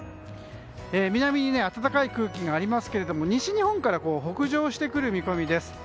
南に暖かい空気がありますが西日本から北上してくる見込みです。